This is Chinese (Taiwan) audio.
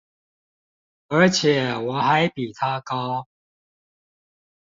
而且我還比他高